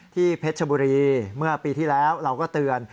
เพชรชบุรีเมื่อปีที่แล้วเราก็เตือน